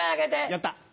やった！